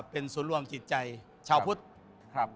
เป็นส่วนรวมจิตใจชาวพุทธ